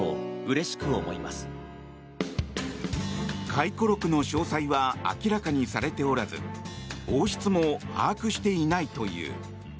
回顧録の詳細は明らかにされておらず王室も把握していないという。